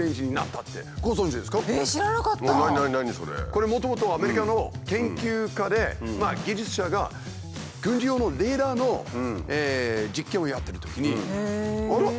これもともとアメリカの研究家で技術者が軍事用のレーダーの実験をやってるときにあら？